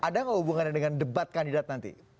ada nggak hubungannya dengan debat kandidat nanti